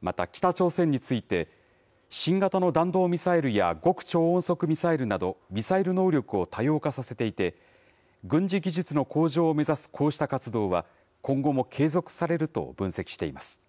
また北朝鮮について、新型の弾道ミサイルや、極超音速ミサイルなどミサイル能力を多様化させていて、軍事技術の向上を目指すこうした活動は、今後も継続されると分析しています。